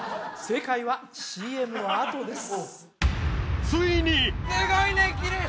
正解はＣＭのあとです